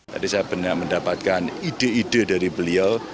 tadi saya benar mendapatkan ide ide dari beliau